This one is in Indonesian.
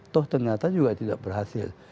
toh ternyata juga tidak berhasil